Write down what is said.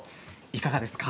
いかがですか？